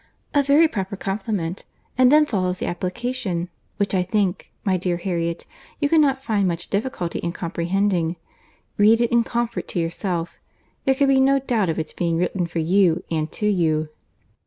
A very proper compliment!—and then follows the application, which I think, my dear Harriet, you cannot find much difficulty in comprehending. Read it in comfort to yourself. There can be no doubt of its being written for you and to you."